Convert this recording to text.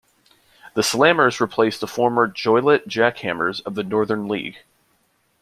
The Slammers replace the former Joliet JackHammers of the Northern League.